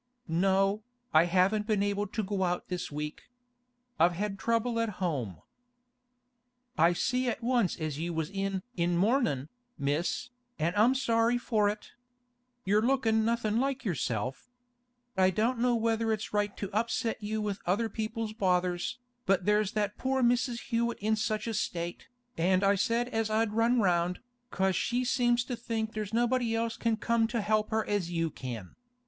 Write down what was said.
'No, I haven't been able to go out this week. I've had trouble at home.' 'I see at once as you was in in mournin', Miss, an' I'm sorry for it. You're lookin' nothing like yourself. I don't know whether it's right to upset you with other people's bothers, but there's that poor Mrs. Hewett in such a state, and I said as I'd run round, 'cause she seems to think there's nobody else can come to her help as you can.